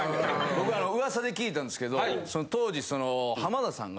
僕噂で聞いたんですけど。